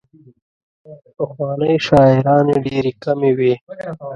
پخوانۍ شاعرانې ډېرې کمې وې.